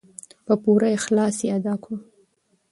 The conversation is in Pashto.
په پوره اخلاص یې ادا کړو.